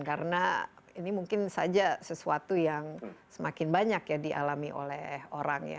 karena ini mungkin saja sesuatu yang semakin banyak ya dialami oleh orang ya